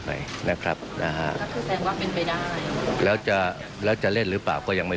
ก็คุยกันครับแต่ถ้าที่ทราบก็ต้องถามท่านว่าท่านตัดสินใจยังไง